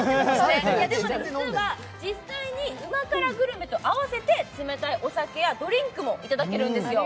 実は実際に旨辛グルメと合わせて冷たいお酒やドリンクもいただけるんですよ。